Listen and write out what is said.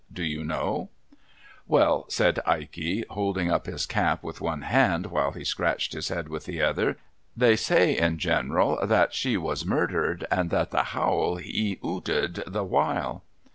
Do ^"'\\Vll''' said Ikev, holding up his cap with one hand while he scratched his head with the other, ' they say, in general, that she was nuirdered, and the howl he 'ooted the while.'